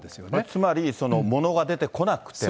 つまり、物が出てこなくても？